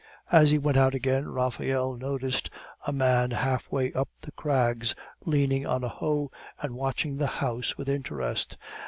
As he went out again Raphael noticed a man half way up the crags, leaning on a hoe, and watching the house with interest.